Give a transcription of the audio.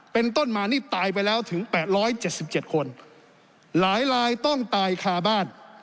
เป็นต้นมานี่ตายไปแล้วถึงแปดร้อยเจ็ดสิบเจ็ดคนหลายหลายต้องตายค่าบ้าน